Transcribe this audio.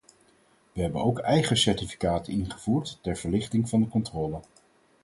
We hebben ook eigen certificaten ingevoerd ter verlichting van de controle.